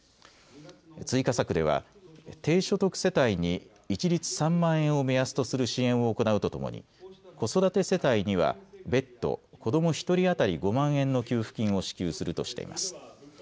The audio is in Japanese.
追加策では低所得世帯に一律３万円を目安とする支援を行うとともに子育て世帯には別途、子ども１人当たり５万円の給付金を支給するとしています。